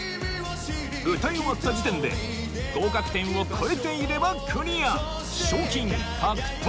歌い終わった時点で合格点を超えていればクリア賞金獲得